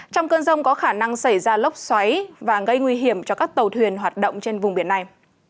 trong cơn rông có khả năng xảy ra lốc xoáy và gây nguy hiểm cho các tàu thuyền hoạt động trên vùng biển này